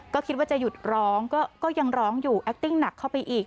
ก็คิดว่าจะหยุดร้องก็ยังร้องอยู่แอคติ้งหนักเข้าไปอีก